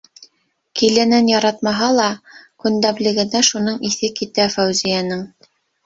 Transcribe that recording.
- Киленен яратмаһа ла, күндәмлегенә шуның иҫе китә Фәүзиәнең.